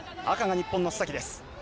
赤が日本の須崎です。